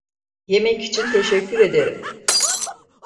Yemek için teşekkür ederim.